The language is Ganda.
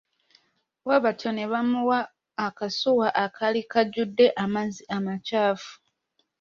Bwe batyo ne bamuwa akasuwa akaali kajjude amazzi amakyafu.